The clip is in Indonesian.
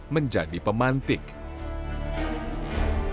menjadi perbedaan persepsi